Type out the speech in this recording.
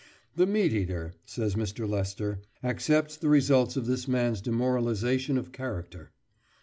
"The meat eater," says Mr. Lester, "accepts the results of this man's demoralisation of character.